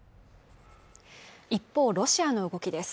一方ロシアの動きです